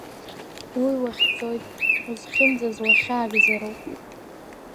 Уи уахьӡоит, узхьымӡаз уахьаагӡароуп…